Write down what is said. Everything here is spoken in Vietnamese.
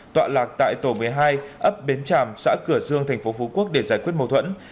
tọa lạc tại tổ một mươi hai ấp bến tràm xã cửa dương tp phú quốc để giải quyết mâu thuẫn